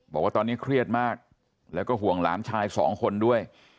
บอกว่าตอนนี้เครียดมากแล้วก็ห่วงหลานชายสองคนด้วย